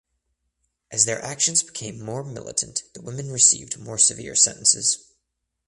As their actions became more militant the women received more severe sentences.